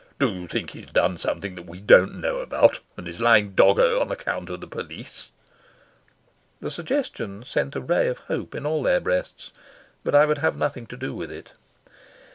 "Do you think he's done something that we don't know about, and is lying doggo on account of the police?" The suggestion sent a ray of hope in all their breasts, but I would have nothing to do with it.